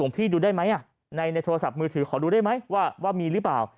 พี่ดูได้ไหมในโทรศัพท์มือถือขอดูได้ไหมว่ามีหรือเปล่า